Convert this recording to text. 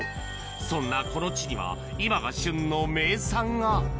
そんなこの地には、今が旬の名産が。